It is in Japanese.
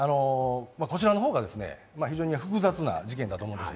こちらの方が非常に複雑な事件だと思います。